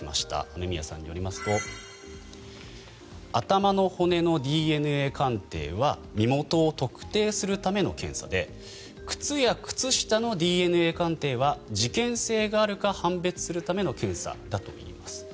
雨宮さんによりますと頭の骨のＤＮＡ鑑定は身元を特定するための検査で靴や靴下のＤＮＡ鑑定は事件性があるか判別するための検査だといいます。